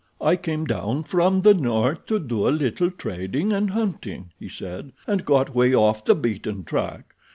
"I came down from the north to do a little trading and hunting," he said, "and got way off the beaten track.